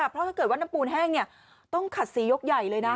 เพราะถ้าเกิดว่าน้ำปูนแห้งต้องขัดสียกใหญ่เลยนะ